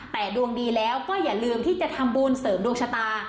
แต่ดวงดีแล้วก็อย่าลืมที่จะทำบุญเสริมดวงชะตา